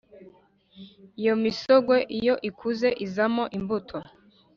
iyo misogwe iyo ikuze izanamo imbuto.